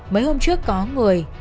mấy hôm trước có người